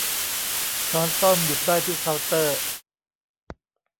ช้อนส้อมหยิบได้ที่เคาน์เตอร์